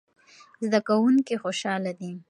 زده کوونکي خوشاله دي.